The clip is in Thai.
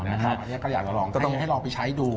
อันนี้ก็อยากจะลองก็ต้องให้ลองไปใช้ดู